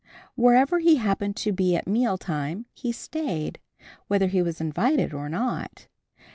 Wherever he happened to be at mealtime, he stayed, whether he was invited or not.